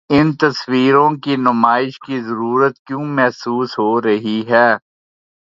ان تصویروں کی نمائش کی ضرورت کیوں محسوس ہو رہی ہے؟